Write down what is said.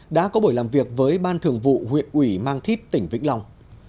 đã có buổi làm việc với ban thường vụ huyện ủy mang thít tỉnh vĩnh long